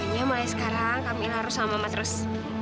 pokoknya mulai sekarang kamilah harus sama sama terus